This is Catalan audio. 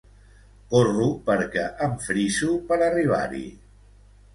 Corro perquè em friso per arribar-hi.